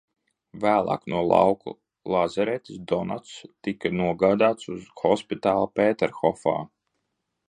Vēlāk no lauku lazaretes Donats tika nogādāts uz hospitāli Pēterhofā.